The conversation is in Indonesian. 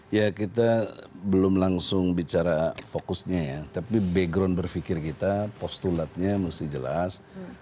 ya kita belum langsung bicara fokusnya ya tapi background berfikir kita postulatnya mesti jelas